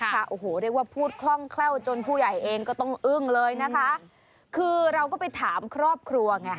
ระหว่อก็พูดคล่องแคล้วลงจนผู้ใหญ่เองก็ต้องอึ้งเลยคือเราก็ไปถามครอบครัว